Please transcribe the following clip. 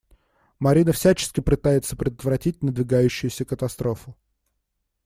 Марина всячески пытается предотвратить надвигающуюся катастрофу.